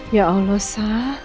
ya allah sa